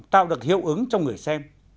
tạo được hiệu ứng trong người xem